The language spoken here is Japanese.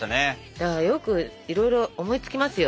だからよくいろいろ思いつきますよ